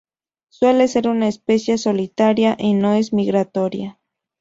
Suele ser una especie solitaria, y no es migratoria.